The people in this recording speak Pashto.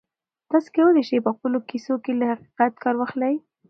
تاسي کولای شئ په خپلو کیسو کې له حقیقت کار واخلئ.